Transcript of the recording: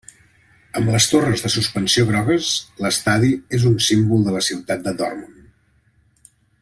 Amb les torres de suspensió grogues, l'estadi és un símbol de la ciutat Dortmund.